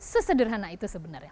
sesederhana itu sebenarnya